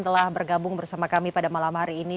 telah bergabung bersama kami pada malam hari ini